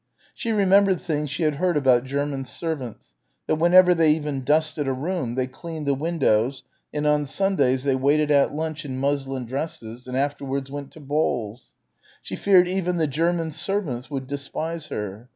She remembered things she had heard about German servants that whenever they even dusted a room they cleaned the windows and on Sundays they waited at lunch in muslin dresses and afterwards went to balls. She feared even the German servants would despise her.